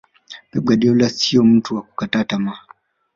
Pep Guardiola siyo mtu wa kukata tamaa